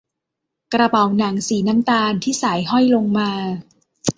กระเป๋าหนังสีน้ำตาลที่สายห้อยลงมา